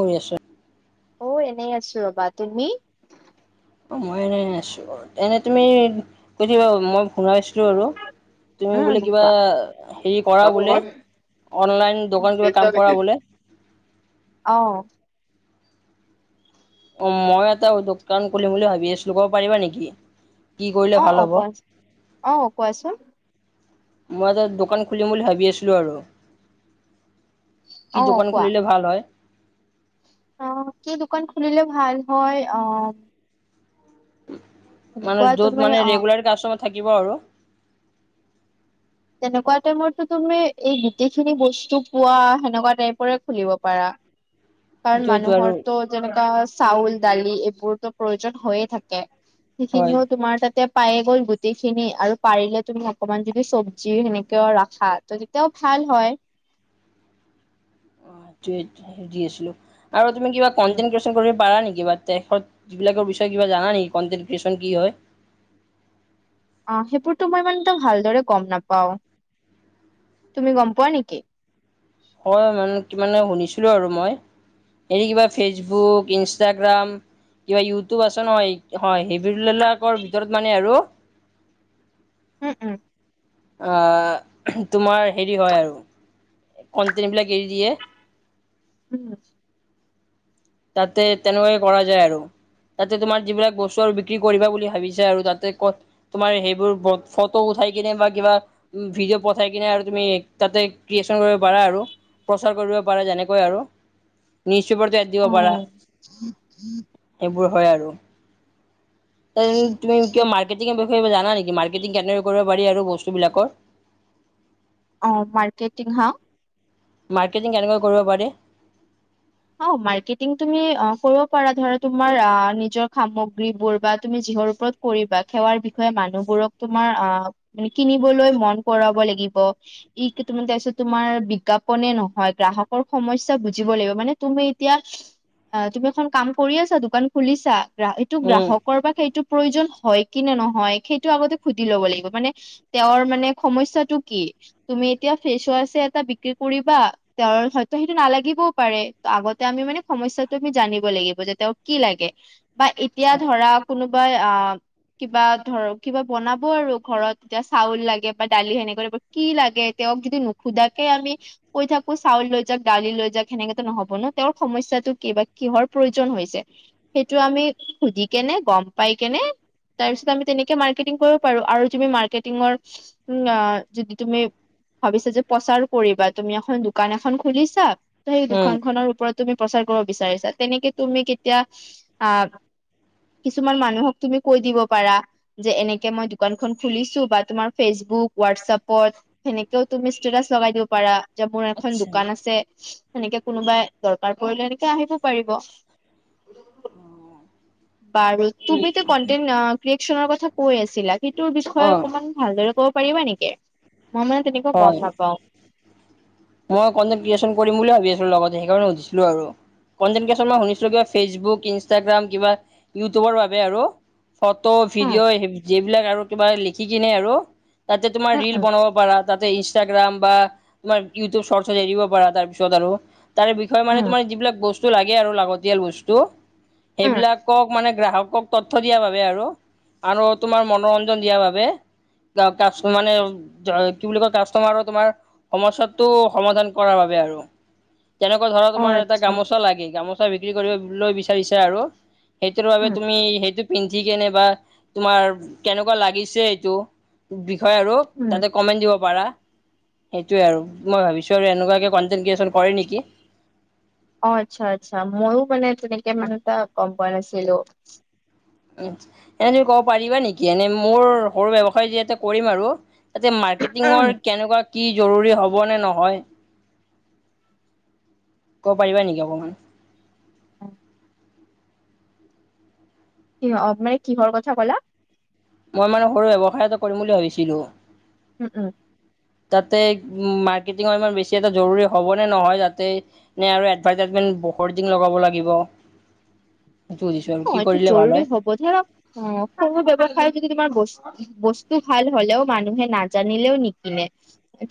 কৰি আছ? অঁ, এনেই আছো ৰ'বা, তুমি? অঁ, মই এনে আছো। এনেই তুমি মই শুনাইছিলো আৰু। তুমি বোলে উম কিবা কোৱা হেৰি কৰা অ বোলে অনলাইন দোকান কিবা কাম কৰা বোলে। অঁ। অঁ, মই এটা দোকান খুলিম বুলি ভাবি আছিলোঁ, ক'ব পাৰিবা নেকি? কি কৰিলে অঁ, ভাল অঁ, হ'ব কোৱা, অঁ, কোৱাচোন? মই এটা দোকান খুলিম বুলি ভাবি আছিলো আৰু। কি অ দোকান খুলিলে ভাল হয়? অঁ, কি দোকান খুলিলে ভাল হয়? অঁ, - মানে তেনেকুৱা য'ত তুমি মানে অ ৰেগুলাৰ কাষ্টমাৰ থাকিব আৰু। তেনেকুৱা টাইপৰটো তুমি এই গোটেইখিনি বস্তু পোৱা সেনেকুৱা টাইপৰে খুলিব পাৰা। কাৰণ সেইটোৱেইটো মানুহৰ আৰু তো যেনেকা চাউল, দালি এইবোৰতো প্ৰয়োজন হৈয়ে থাকে। হয় সেইখিনিও তোমাৰ তাতে- পায়ে গ'ল গোটেই খিনি আৰু পাৰিলে তুমি অকমান যদি চব্জি সেনেকেও ৰাখা, ত তেতিয়াও ভাল হয়। অঁ, সেইটোৱে সুধি আছিলো। আৰু তুমি কিবা কনটে- কৰিব পাৰা নেকি বা যিবিলাকৰ বিষয়ে কিব জানা নেকি কনটেন্ট ক্ৰিয়েচন কি হয়? অঁ, সেইবোৰতো মই মানে ভালদৰে গম নাপাওঁ। তুমি গম পোৱা নেকি? হয়, মানে কি মানে শুনিছিলো আৰু মই। এৰি কিবা ফেচবুক, ইনষ্টাগ্ৰাম, কিবা কিবি ইউটিউব আছে নহয়। হয়, সেই বিলাকৰ ভিতৰত মানে আৰু। উম, উম। আ তোমাৰ হেৰি হয় আৰু কনটেন্ট বিলাক এৰি দিয়ে। [unintelligible] তাতে তেনেকুৱাকে কৰা যায় আৰু। তাতে তোমাৰ যিবিলাক বস্তু আৰু বিক্ৰী কৰিবা বুলি ভাবিছা আৰু তাতে ক'ত- তোমাৰ সেইবোৰ ফটো উঠাই কিনে বা কিবা- ভিডিঅ' পঠাই কিনে আৰু তুমি তাতে ক্ৰিয়েচন কৰিব পাৰা আৰু। প্ৰচাৰ কৰিব পাৰে যেনেকৈ আৰু নিউজ পেপাৰ- অঁ। সেইবোৰ হয় আৰু। তুমি কিবা মাৰ্কেটিঙৰ বিষয়ে কিবা জানা নেকি? মাৰ্কেটিং কেনেকৈ কৰিব পাৰি আৰু বস্তুবিলাকৰ। অঁ, মাৰ্কেটিং হা? মাৰ্কেটিং কেনেকে কৰিব পাৰি? অঁ, মাৰ্কেটিং তুমি অঁ কৰিব পাৰা। ধৰা তোমাৰ অঁ, নিজৰ সামগ্ৰীবোৰ বা তুমি যিহৰ ওপৰত- কৰিবা সেৱাৰ বিষয়ে মানুহবোৰক তোমাৰ অ মানে কিনিবলৈ মন কৰাব লাগিব। ই কি তোমাৰ তাৰপিছত তোমাৰ বিজ্ঞাপনে নহয় গ্ৰাহকৰ সমস্যা বুজিব লাগিব মানে তুমি এতিয়া অ' তুমি এখন কাম কৰি আছা দোকান খুলিছা গ্ৰা এইটো উম, গ্ৰাহকৰ বা সেইটো প্ৰয়োজন হয় কি নে নহয় সেইটো আগতে সুধি ল'ব লাগিব মানে তেওঁৰ মানে সমস্যাটো কি। তুমি এতিয়া ফ্ৰেছোৱাছে আছে এটা বিক্ৰী কৰিবা, তেওঁৰ হয়তো সেইটো নালাগিবও পাৰে। ত' আগতে আমি মানে সমস্যাটো আমি জানিব লাগিব যে তেওঁ কি লাগে বা এতিয়া আচ্ছা, ধৰা কোনোবাই আ কিবা ধৰ কিবা বনাব আৰু ঘৰত এতিয়া চাউল লাগে বা ডালি সেনেক কি লাগে তেওঁক যদি নোখোধাকে আমি কৈ থাকোঁ চাউল লৈ যাওঁক দালি লৈ যাওঁক সেনেকে নহ'ব ন' তেওঁৰ সমস্যাটো কি বা কিহৰ প্ৰয়োজন হৈছে সেইটো আমি সুধি কেনে, গম পাই কেনে তাৰপিছত আমি তেনেকে মাৰ্কেটিং কৰিব পাৰোঁ আৰু তুমি মাৰ্কেটিঙৰ উ, যদি তুমি ভাবিছা যে প্ৰচাৰ কৰিবা, তুমি এখন দোকান এখন খুলিছা ত' সেই দো উম, খনৰ ওপৰত তুমি প্ৰচাৰ কৰিব বিচাৰিছা তেনেকে তুমি কেতিয়া আ কিছুমান মানুহক তুমি কৈ দিব পাৰা যে এনেকে মই দোকানখন খুলিছোঁ বা তোমাৰ ফেচবুক, হোৱাটছাপত সেনেকেও তুমি ষ্টেটাচ লগাই দিব পাৰা। যে মোৰ এখন আচ্ছা, দোকান আছে সেনেকে কোনোবাই দৰকাৰ পৰিলে এনেকে আহিব পাৰিব। বাৰু তুমিতো উম, কনটেন্ট আ, ক্ৰিয়েচনৰ কথা কৈ আছিলা সেইটোৰ বিষয়ে অ', অকমান ভালদৰে কব পাৰিবা নেকি মই মানে তেনেকুৱা হয়। গম নাপাওঁ। মই কণ্টেণ্ট ক্ৰিয়েচন কৰিম বুলি ভাবি আছিলোঁ লগতে সেইকাৰণে সুধিছিলোঁ আৰু। কণ্টেণ্ট ক্ৰিয়েচন মই শুনিছিলোঁ কিবা ফেচবুক, ইনষ্টাগ্ৰাম কিবা ইউটিউবৰ বাবে আৰু। ফটো উম ভিডিঅ' যিবিলাক আৰু কিবা লিখি কিনে আৰু। তাতে তোমাৰ উম ৰীল উম বনাব পাৰা, তাতে ইনষ্টাগ্ৰাম বা তোমাৰ ইউটিউব ছৰ্টছ এৰিব পাৰা তাৰপিছত আৰু তাৰ বিষয়ে মানে উম তোমাৰ যিবিলাক বছ টো লাগে আৰু লাগতিয়াল বস্তু উম সেইবিলাকক মানে গ্ৰাহকক তথ্য দিয়া ভাবে আৰু, আৰু তোমাৰ মনোৰঞ্জন দিয়া বাবে। কা কাছমানে জ কি বুলি কয় কাষ্টমাৰৰ তোমাৰ সমস্যাত টো সমাধান কৰাৰ বাবে আৰু, তেনেকুৱা ধৰা অ তোমাৰ এটা আচ্ছা গামোচা লাগে গামোচা বিক্ৰী কৰিবলৈ বিচাৰিছা আৰু, সেইটোৰ বাবে উম তুমি সেইটো পিন্ধি কেনে বা তোমাৰ কেনেকুৱা লাগিছে এইটো বিষয় আৰু। উম তাতে কমেন্ট দিব পাৰা সেইটোয়ে আৰু, মই ভাবিছোঁ আৰু এনেকুৱেকে কণ্টেণ্ট ক্ৰিয়েচন কৰে নেকি। অ' আচ্ছা আচ্ছা, মইও মানে তেনেকে মানে এটা গম পোৱা নাছিলোঁ। উ, এনে তুমি ক'ব পাৰিবা নেকি এনেই মোৰ সৰু ব্যৱসায় যি এটা কৰিম আৰু তাতে মা উম, কেটিঙৰ কেনেকুৱা কি জৰুৰী হ'বনে নহয়, ক'ব পাৰিবা নেকি অকমান? কিহ মানে কিহৰ কথা ক'লা? মই মানে সৰু ব্যৱসায় এটা কৰিম বুলি ভাবিছিলোঁ। উম, উম। তাতে উ, মাৰ্কেটিঙৰ ইমান বেছি এটা জৰুৰী হ'বনে নহয় যাতে নে আৰু এডভাৰটাইজমেন্ট বহুত দিন লগাব লাগিব। হেইটো সুধিছোঁ আৰু অ, কি এইটো কৰিলে ভাল জৰুৰী হয়। হ'ব ধৰক সৰু ব্যৱসায় যদি তোমাৰ বছ বস্তু ভাল হ'লেও মানুহে নাজানিলেও নিকনে।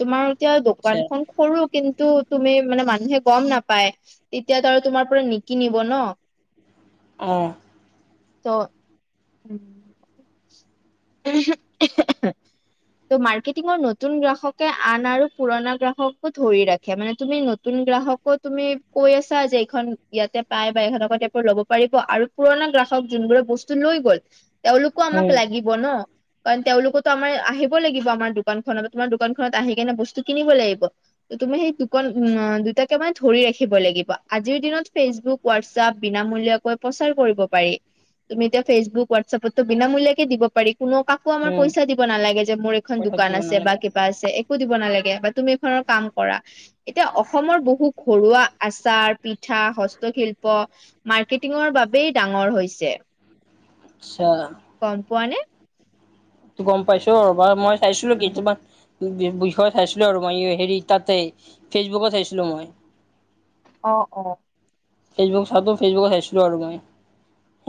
তোমাৰ এতিয়া আচ্ছা দোকানখন। সৰু কিন্তু তুমি মানে মানুহে গম নাপায় তেতিয়াতো আৰু তোমাৰ পৰা নিকিনিব ন। অঁ। ত [inaudible] [unintelligible] [inaudible] ত' মাৰ্কেটিঙৰ নতুন গ্ৰাহকে আন আৰু পুৰণা গ্ৰাহকো ধৰি ৰাখে। মানে তুমি নতুন গ্ৰাহক আকৌ তুমি কৈ আছা যে এইখন ইয়াতে পাই বা এইখন এনেকুৱা তাইপৰ ল'ব পাৰিব। আৰু পুৰণা গ্ৰাহক যোনবোৰে বস্তু লৈ গ'ল, তেওঁলোকো আমাক উম লাগিব ন? কাৰণ তেওঁলোকোতো আমাৰ আহিব লাগিব। আমাৰ দোকানখনত। তোমাৰ দোকানখনত আহি কেনে বস্তু কিনিব লাগিব। ত' তুমি সেই [unintelligible] [unintelligible] ধৰি ৰাখিব লাগিব। আজিৰ দিনত ফেচবুক হোৱাটছপ বিনামূলীয়া কৈ প্ৰচাৰ কৰিব পাৰি। তুমি এতিয়া ফেচবুক, হোৱাটচএপত বিনামূলীয়াকেই দিব পাৰি। কোনো কাকো আমাৰ উম পইচা দিব নালাগে যে, মোৰ এখন পইচা দোকান দিব আছে। নালাগে বা [unintelligible] আছে। একো দিব নালাগে। বা তুমি এখনৰ কাম কৰা। এতিয়া অসমৰ বহু ঘৰুৱা আচাৰ, পিঠা, হস্তশিল্প মাৰ্কেটিঙৰ বাবেই ডাঙৰ হৈছে। আচছা। গম পোৱা নে? [unintelligible] গম পাইছো ৰ'বা। মই চাইছিলো কেইটমান বিষয়ে চাইছিলো। আৰু মই হেৰি তাতে ফেচবুকত চাইছিলো মই। অ অ। [unintelligible] ফেচবুত চাইছিলো আৰু মানে।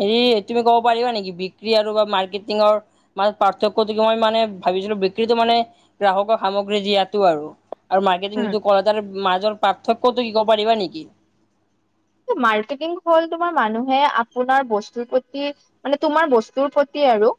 হেৰি তুমি ক'ব পাৰিবা নিকি? বিক্ৰী আৰু বা মাৰ্কেটিংৰ মান পাৰ্থক্যটো কি? মই মানে ভাবিছিলো। বিক্ৰীতো মানে গ্ৰাহকৰ সামগ্ৰী দিয়াতো। আৰু। আৰু উম মাৰ্কেটিং [unintelligible] মাজৰ পাৰ্থক্যতো কি ক'ব পাৰিবা নেকি? মাৰ্কেটিং হ'ল তোমাৰ মানুহে আপোনাৰ বস্তুৰ প্ৰতি মানে, তোমাৰ বস্তুৰ প্ৰতি আৰু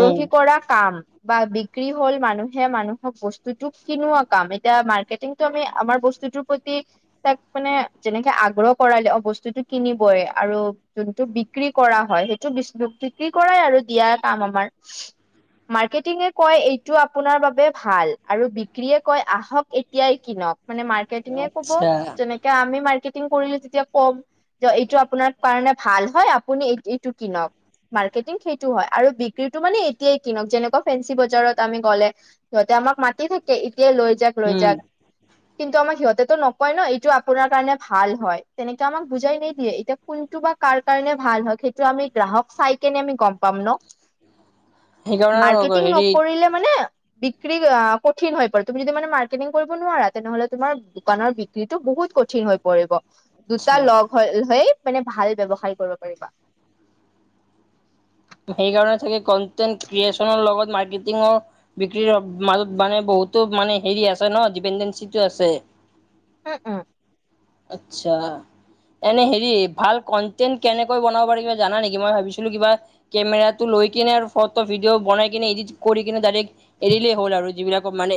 উম কৰা কাম। বা বিক্ৰী হল মানুহে, মানুহক বস্তুতো কিনোৱা কাম। এতিয়া মাৰ্কেটিংটো, আমি আমাৰ বস্তুত প্ৰতি তাক মানে যেনেকে আগ্ৰহ কৰালে, অ বস্তুতটো কিনিবই আৰু যোনটো বিক্ৰী কৰা হয়। সেইটো বি বিক্ৰী কৰাই, আৰু দিয়া কাম আমাৰ। [inaudible] মাৰ্কেটিঙে কয় এইটো আপোনাৰ বাবে ভাল। আৰু বিক্ৰীয়ে কয়, আহক এতিয়াই কিনক মানে [unintelligible] ক'ব আচ্ছা যেনেকে আমি মাৰ্কেটিং কৰি আছোঁ। এতিয়া কম, যে এইটো আপোনাৰ কাৰণে ভাল হয়। আপুনি এই এইটো কিনক। মাৰ্কেটিং সেইটো হয়, আৰু বিক্ৰীটো মানে এতিয়াই কিনক। যেনেকুৱা ফেঞ্চি বজাৰত আমি গ'লে সিহঁতে আমাক মাতি থাকে। এতিয়া লৈ যাক লৈ উম যাক। কিন্তু আমাক সিহঁতেতো নকয় ন, এইটো কাৰণে ভাল হয়। তেনেকে আমাক বুজাই নিদিয়ে। এতিয়া কোনটো বা কাৰ কাৰণে ভাল হয় সেইটো আমি গ্ৰাহক চাই কেনে আমি গম পাম ন? [inaudible] মাৰ্কেটিং হেৰি নকৰিলে মানে বিক্ৰী আ কঠিন হৈ পৰে। তুমি যদি মান মাৰ্কেটিং কৰিব নোৱাৰা, তেনেহ'লে তোমাৰ দোকানৰ বি [unintelligible] বহুত কঠিন হৈ পৰিব। দুটা আচ্ছা লগ হ - হৈ মানে ভাল ব্য়ৱসায় কৰিব পাৰিবা। সেই কাৰণে, চাগে কনটেন্ট ক্ৰিয়েচনৰ লগত মাৰ্কেটিঙৰ বিক্ৰীৰ মাজত মানে বহুতো মানে হেৰি আছে ন ডিপেনডেঞ্চিটো আছে। উম, উম। আত্ছা, এনে হেৰি ভাল কন্টেনট কেনেকৈ বনাব পাৰি কিবা- জানা নেকি? মই ভাবিছিলো কিবা- কেমেৰাটো লৈ কিনে আৰু ফটো ভিডিঅ বনাই কিনে এডিট কৰি কিনে ডাইৰেক্- এৰিলেই হ'ল আৰু যিবিলাকত মানে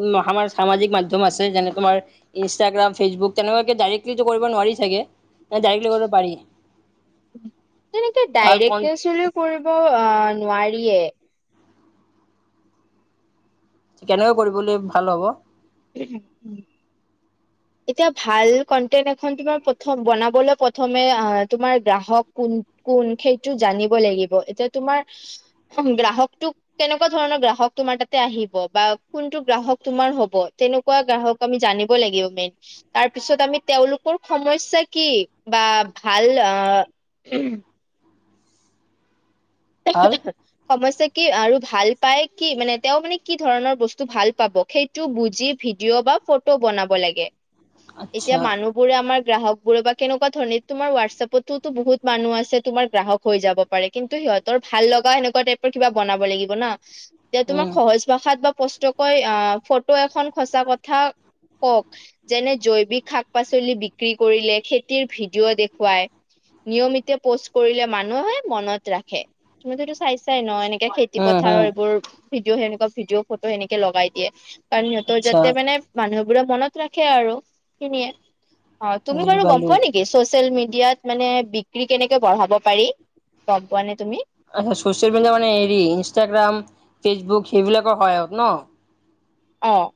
উ আমাৰ সামাজিক মাধ্যম আছে। যেনে তোমাৰ- ইনষ্টাগ্ৰাম, ফেচবুক তেনেকুৱাকে ডাইৰেকটলিো কৰিব নোৱাৰি চাগে? নে ডাইৰেক্টলি কৰিব পাৰি তেনেকে ভাল কন ডাইৰেকে চোলেও- কৰিব আঁ নোৱাৰিয়ে। কেনেকৈ কৰিবলৈ ভাল হ'ব? [unintelligible] [inaudible] এতিয়া ভাল কন্টেন্ট এখন তোমাৰ প্ৰথম বনাবলৈ প্ৰথমে আঁ তোমাৰ গ্ৰাহক কোন- কোন সেইটো জানিব লাগিব, এতিয়া তোমাৰ গ্ৰাহকটোক- কেনেকুৱা ধৰণৰ গ্ৰাহক তোমাৰ তাতে আহিব বা কোনটো গ্ৰাহক তোমাৰ হ'ব? তেনেকুৱা গ্ৰাহক আমি জানিব লাগিব মেইন। তাৰপিছত আমি তেওঁলোকৰ সমস্যা কি বা ভাল অঁ- ভাল [unintelligible] সমস্যা কি আৰু ভাল পাই কি, মানে তেওঁ মানে কি ধৰণৰ বস্তু ভাল পাব সেই- টো বুজি ভিডিঅ' বা ফটো বনাব লাগে, এতিয়া আচ্ছা মানুহ- বোৰে আমাৰ গ্ৰাহকবোৰে বা কেনেকুৱা ধৰণে তোমাৰ হোৱাটছএপতোতো বহুত মানুহ আছে তোমাৰ গ্ৰাহক হৈ যাব। পাৰে, কিন্তু সিহঁতৰ ভাল লগা সেনেকুৱা টাইপৰ কিবা বনাব লাগিব ন, তে তোমাৰ উম। সহজ- প্ৰসাদ বা পষ্টকৈ আঁ ফটো এখন সঁচা কথা কওঁক। যেনে জৈৱিক শাক পাচলি বিক্ৰী কৰিলে খেতিৰ ভিডিঅ' দেখুৱায়। নিয়মিতে পোষ্ট কৰিলে মানুহে মনত ৰাখে। তুমিতো এইটো চাইছাই ন' এনেকে খেতি হুম হুম পথাৰৰ এইবোৰ- ভিডিঅ' সেনেকুৱা ভিডিঅ' ফটো সেনেকে লগাই দিয়ে। কাৰণ সিহঁতৰ আচ্ছা যাতে মানে- মানুহবোৰে মনত ৰাখে আৰু খিনিয়ে। অঁ' তুমি বুজি বাৰু গম পালো পোৱা নেকি ছচিয়েল মিডিয়াত- মানে বিক্ৰী কেনেকে বঢ়াব পাৰি গম পোৱানে তুমি? চচিয়েল মিডিয়া মানে হেৰি ইনষ্টাগ্ৰাম, ফেচবুক সেইবিলাকৰ সহায়ত ন'? অ‌ঁ'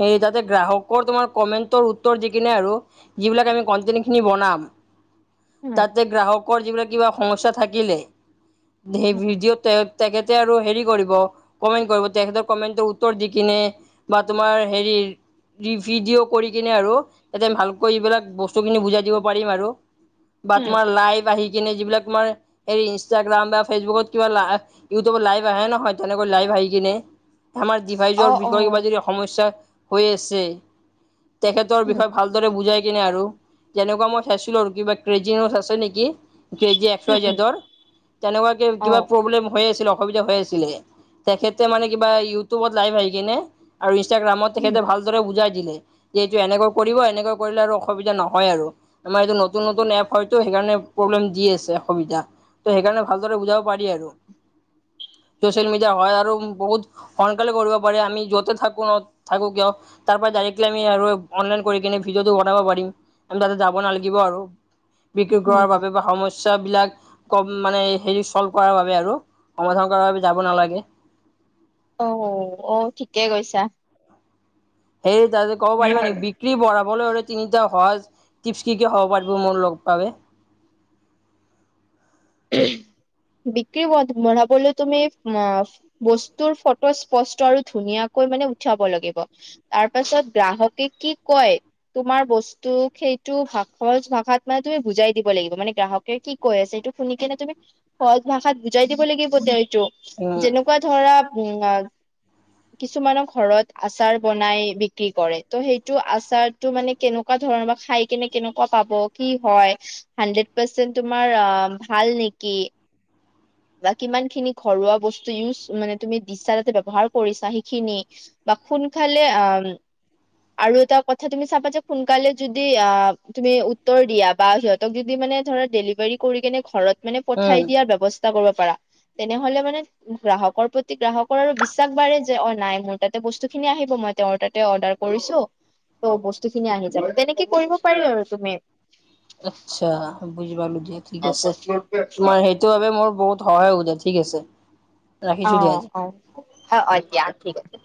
সেই তাতে গ্ৰাহকৰ তোমাৰ কমেণ্টৰ উত্তৰ দি কিনে আৰু। যিবিলাক আমি কণ্টেণ্টখিনি বনাম। উম তাতে গ্ৰাহকৰ যিবিলাক কিবা সমস্যা থাকিলে, সেই উম ভিডিঅ'তে- তেখেতে আৰু হেৰি কৰিব কমেণ্ট কৰিব, তেখেতৰ কমেণ্টৰ উত্তৰ দি কিনে- বা তোমাৰ হেৰি- ভিডিঅ' কৰি কিনে আৰু তাতে ভালকৈ এইবিলাক বস্তুখিনি বুজাই দিব পাৰিম আৰু। বা উম তোমাৰ লাইভ আহি কিনে যিবিলাক তোমাৰ হেই ইনষ্টাগ্ৰাম বা ফেচবুকত কিবা লা- ইউটিউবত লাইভ আহে নহয়, তেনেকৈ লাইভ আহি কিনে- আমাৰ অ ডিভাইজৰ অ বিষয়ে কিবা যদি সমস্যা হৈ আছে, তেখেতৰ উম বিষয়ে ভাল- দৰে বুজাই কিনে আৰু। যেনেকুৱা মই চাইছিলোঁ আৰু কিবা ক্ৰেজিনছ আছে নেকি? Crazy X um Y um জেডৰ, তেনেকুৱাকে অ কিবা প্ৰব্লেম হৈ আছিল, অসুবিধা হৈ আছ- ছিলে, তেখেতে মানে কিবা ইউটিউবত লাইভ আহি কিনে আৰু ইনষ্টাগ্ৰামত উম তেখেতে ভাল- দৰে বুজাই দিলে, যে এইটো এনেকৈ কৰিব, এনেকৈ কৰিলে আৰু অসুবিধা নহয় আৰু। আমাৰ এইটো নতুন নতুন এপ হয়তো সেইকাৰণে প্ৰব্লেম দি আছে, অসুবিধা। ত সেইকাৰণে ভালদৰে বুজাব পাৰি আৰু। চচিয়েল মিডিয়া হয় আৰু বহুত সোনকালে কৰিব পাৰি, আমি য'তে থাক [unintelligible] থাকোঁ কিয়, তাৰপৰা ডাইৰেক্টলি আমি আৰু অনলাইন কৰি ভিডিঅ'টো বনাব পাৰি। আমি তাতে যাব নালাগিব আৰু বিক্ৰী কৰাৰ উম বাবে বা সম স্যাবিলাক কম মানে হেৰি চল্ভ কৰাৰ বাবে আৰু, সমাধান কৰাৰ বাবে আমি যাব নালাগে। অ অ ঠিকেই কৈছা। সেই তাতে ক'ব পাৰিবা নেকি বি ক্ৰী বঢ়াবলৈ হ'লে তিনিটা সহজ টিপছ কি কি হ'ব পাৰিব মোৰ লগ বাবে? [unintelligible] বিক্ৰী ব বঢ়াবলৈ তুমি আ বস্তুৰ ফটো স্পষ্ট আৰু ধুনীয়াকৈ মানে উঠাব লাগিব। তাৰ পাছত গ্ৰাহকে কি কয় তোমাৰ বস্তুক সেইটো ভাষ সহজ ভাষাত মানে তুমি বুজাই দিব লাগিব, মানে গ্ৰাহকে কি কৈ আছে সেইটো শুনি কেনে তুমি সহজ ভাষাত বুজাই দিব লাগিব তেওঁ এইটো উম যেনেকুৱা ধৰা উ আ কিছুমানক ঘৰত আচাৰ বনাই বিক্ৰী কৰে ত' সেইটো আচাৰ তো মানে কেনেকুৱা ধৰণৰ বা খাই কেনে কেনেকুৱা পাব কি হয় হাড্ৰেড পাৰ্চেন্ট তোমাৰ অ ভাল নেকি? বা কিমান খিনি ঘৰুৱা বস্তু ইউজ মানে তুমি দিছা তাতে ব্যৱহাৰ কৰিছা সেইখিনি বা কোন ফালে আ আৰু এটা কথা তুমি চাবা যে সোনকালে যদি আ তুমি উত্তৰ দিয়া বা সিহঁত যদি মানে ধৰা ডেলিভাৰী কৰি কেনে ঘৰত মানে উম পঠাই দিয়াৰ ব্যৱস্থা কৰিব পাৰা তেনেহ'লে মানে গ্ৰাহকৰ প্ৰতি গ্ৰাহকৰ আৰু বিশ্বাস বাঢ়ে যে অ নাই মোৰ তাতে বস্তু খিনি আহিব মই তেওঁৰ তাতে অৰ্ডাৰ কৰিছো ত' বস্তু খিনি আহি যাব, তেনেকে কৰিব পাৰি আৰু তুমি। আচ্ছা বুজি পালো দিয়া ঠিক আছে, তোমাৰ হেই সেইটো বাবে মোৰ বহুত সহায় [unintelligible] ঠিক আছে। অ ৰাখিছো দিয়া আজি দিয়া হয় [unintelligible] ঠিক আছে।